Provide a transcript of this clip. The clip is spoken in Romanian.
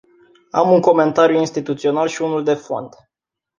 Am un comentariu instituțional și unul de fond.